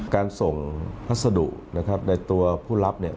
การส่งพัสดุนะครับในตัวผู้รับเนี่ย